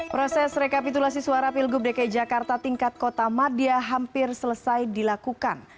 proses rekapitulasi suara pilgub dki jakarta tingkat kota madia hampir selesai dilakukan